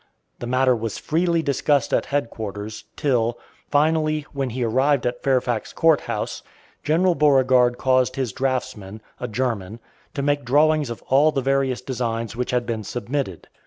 The matter was freely discussed at headquarters, till, finally, when he arrived at Fairfax Court House, General Beauregard caused his draughtsman (a German) to make drawings of all the various designs which had been submitted.